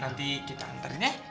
nanti kita antar ya